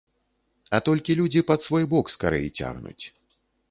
А толькі людзі пад свой бок скарэй цягнуць.